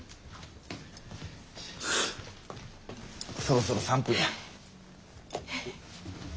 そろそろ３分や。